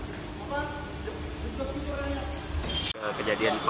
kejadian pada hari rebu